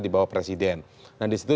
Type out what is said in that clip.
di bawah presiden dan disitu